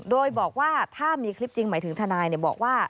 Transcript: โดยบอกว่าถ้ามีคลิปจริงหมายถึงทนายบอกว่า